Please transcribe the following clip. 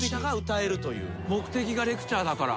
目的がレクチャーだから。